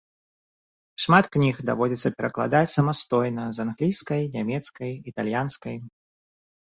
Шмат кніг даводзіцца перакладаць самастойна з англійскай, нямецкай, італьянскай.